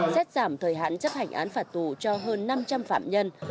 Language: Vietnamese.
xét giảm thời hạn chấp hành án phạt tù cho hơn năm trăm linh phạm nhân